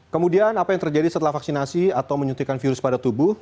kemudian apa yang terjadi setelah vaksinasi atau menyuntikkan virus pada tubuh